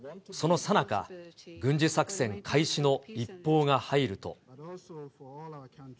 そのさなか、軍事作戦開始の一報が入ると。